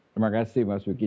terima kasih mas wiki